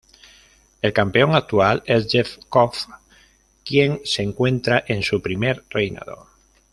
El campeón actual es Jeff Cobb, quien se encuentra en su primer reinado.